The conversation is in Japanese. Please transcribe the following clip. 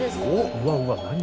うわうわ何？